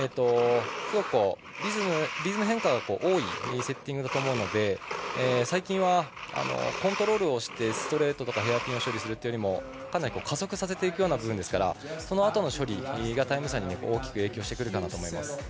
すごくリズム変化が多いセッティングだと思うので最近はコントロールをしてストレートとかヘアピンを処理するというよりもかなり加速させていくような部分ですからそのあとの処理がタイム差に大きく影響してくると思います。